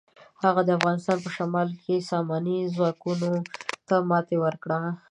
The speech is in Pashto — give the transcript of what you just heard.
هغه د افغانستان په شمالي کې ساماني ځواکونو ته ماتې ورکړه.